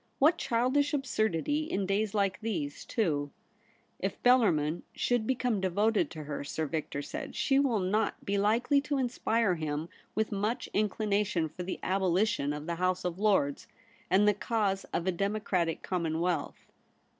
What childish absurdity — in days like these, too !'* If Bellarmin should become devoted to her,' Sir Victor said, ' she will not be likely to inspire him with much Inclination for the abolition of the House of Lords, and the cause of a Democratic Commonwealth.'